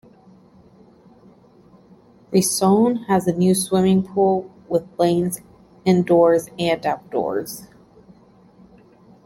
Riccione has a new swimming pool with lanes indoors and outdoors.